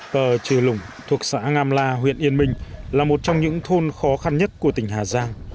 tờ trừ lũng thuộc xã ngam la huyện yên minh là một trong những thôn khó khăn nhất của tỉnh hà giang